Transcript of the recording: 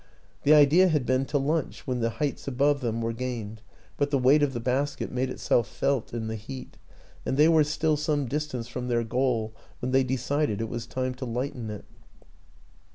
The idea had been to lunch when the heights above them were gained; but the weight of the basket made itself felt in the heat, and they were still some distance from their goal when they decided it was time to lighten it.